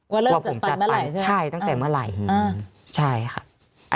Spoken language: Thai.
ว่าเริ่มผมจะเมื่อไหร่ใช่ไหมใช่ตั้งแต่เมื่อไหร่ใช่ค่ะ